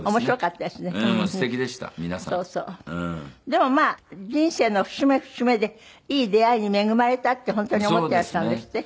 でもまあ人生の節目節目でいい出会いに恵まれたって本当に思っていらっしゃるんですって？